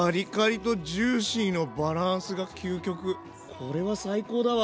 これは最高だわ。